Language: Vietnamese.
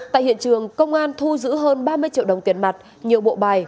tại hiện trường công an thu giữ hơn ba mươi triệu đồng tiền mặt nhiều bộ bài